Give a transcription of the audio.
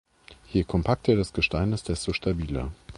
Je kompakter das Gestein ist, desto stabiler.